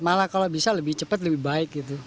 malah kalau bisa lebih cepat lebih baik gitu